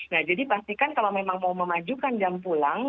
nah jadi pastikan kalau memang mau memajukan jam pulang